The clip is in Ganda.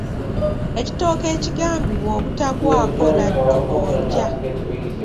Ekitooke ekigambibwa obutagwako laddu ggonja.